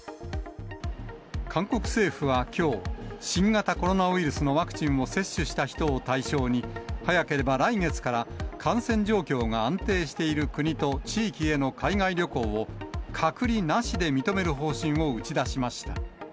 韓国政府はきょう、新型コロナウイルスのワクチンを接種した人を対象に、早ければ来月から、感染状況が安定している国と地域への海外旅行を、隔離なしで認める方針を打ち出しました。